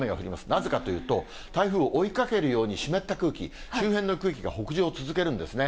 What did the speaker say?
なぜかというと、台風を追いかけるように湿った空気、周辺の空気が北上を続けるんですね。